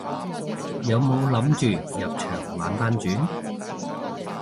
有冇諗住入場玩番轉？